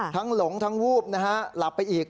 ทั้งหลงทั้งวูบหลับไปอีก